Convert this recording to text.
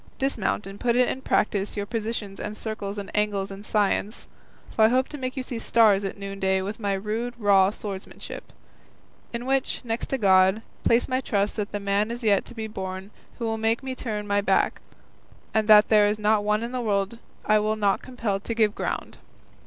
Dismount and put in practice your positions and circles and angles and science, for I hope to make you see stars at noonday with my rude raw swordsmanship, in which, next to God, I place my trust that the man is yet to be born who will make me turn my back, and that there is not one in the world I will not compel to give ground."